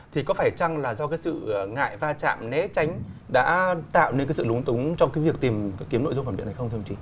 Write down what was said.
thì có phải chăng là do cái sự ngại va chạm né tránh đã tạo nên cái sự lúng túng trong cái việc tìm kiếm nội dung phản biện này không thưa ông chị